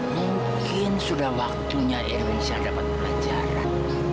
mungkin sudah waktunya irwin syar dapat pelajaran